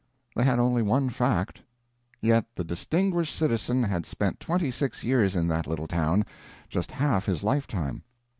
They had only one fact, yet the distinguished citizen had spent twenty six years in that little town—just half his lifetime.